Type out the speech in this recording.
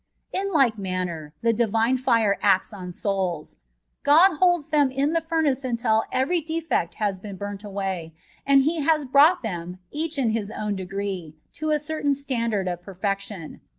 In like manner the divine fire acts on souls : God holds them in the fumace until every defect has been bumt away, and He has brought them, each in its own degree, to a certain standard of perfection.